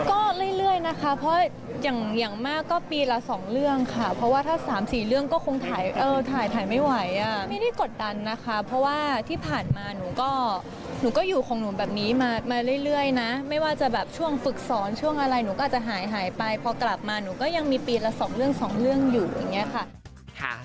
ก็เรื่อยนะคะเพราะอย่างมากก็ปีละสองเรื่องค่ะเพราะว่าถ้า๓๔เรื่องก็คงถ่ายถ่ายไม่ไหวอ่ะไม่ได้กดดันนะคะเพราะว่าที่ผ่านมาหนูก็หนูก็อยู่ของหนูแบบนี้มาเรื่อยนะไม่ว่าจะแบบช่วงฝึกสอนช่วงอะไรหนูก็อาจจะหายหายไปพอกลับมาหนูก็ยังมีปีละสองเรื่องสองเรื่องอยู่อย่างนี้ค่ะ